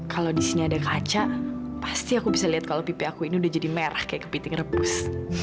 kalau di sini ada kaca pasti aku bisa lihat kalau pipi aku ini udah jadi merah kayak kepiting rebus